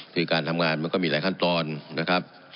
คือการทำงานมันก็มีหลายขั้นตอนนะครับ